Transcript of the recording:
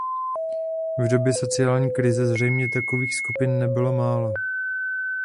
V době sociální krize zřejmě takových skupin nebylo málo.